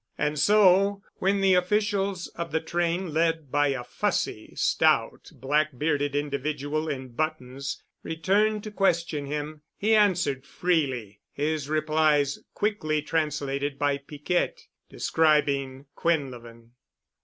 And so, when the officials of the train led by a fussy, stout, black bearded individual in buttons, returned to question him, he answered freely, his replies quickly translated by Piquette, describing Quinlevin.